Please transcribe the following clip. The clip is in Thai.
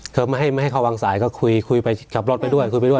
ไม่ให้เขาวางสายก็คุยคุยไปขับรถไปด้วยคุยไปด้วย